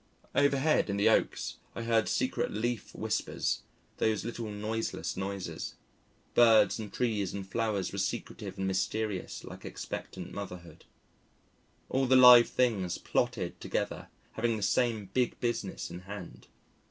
Overhead in the oaks I heard secret leaf whispers those little noiseless noises. Birds and trees and flowers were secretive and mysterious like expectant motherhood. All the live things plotted together, having the same big business in hand.